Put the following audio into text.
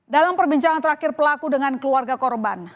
dalam perbincangan terakhir pelaku dengan keluarga korban